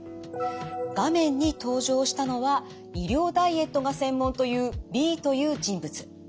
画面に登場したのは医療ダイエットが専門というＢという人物。